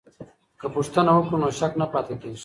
که پوښتنه وکړو نو شک نه پاتې کیږي.